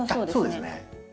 そうですね。